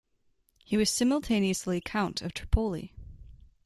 He was simultaneously Count of Tripoli.